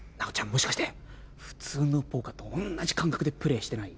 もしかして普通のポーカーと同じ感覚でプレーしてない？